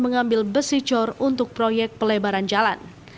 mengambil besi cor untuk proyek pelebaran jalan